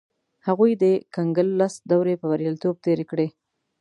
هغوی د کنګل لس دورې په بریالیتوب تېرې کړې.